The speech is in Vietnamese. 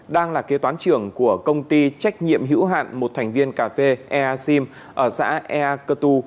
đang là kế toán trưởng của công ty trách nhiệm hữu hạn một thành viên cà phê ea sim ở xã ea cơ tu